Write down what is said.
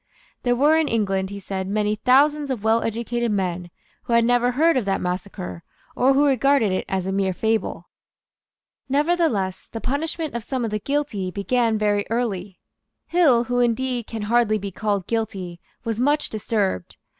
There were in England, he said, many thousands of well educated men who had never heard of that massacre, or who regarded it as a mere fable. Nevertheless the punishment of some of the guilty began very early. Hill, who indeed can hardly be called guilty, was much disturbed.